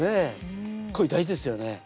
声大事ですよね。